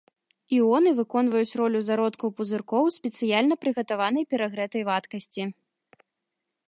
Іоны выконваюць ролю зародкаў пузыркоў у спецыяльна прыгатаванай перагрэтай вадкасці.